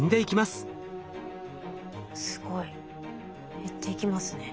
すごい。減っていきますね。